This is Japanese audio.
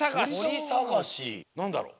なんだろう？